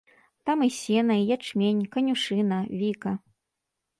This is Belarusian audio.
Там і сена, і ячмень, канюшына, віка.